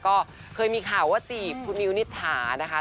ก็เคยมีข่าวว่าจีบคุณมิวนิษฐานะคะ